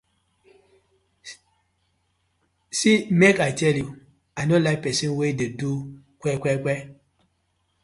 See mek I tell yu, I no like pesin wey de do kwe kwe kwe.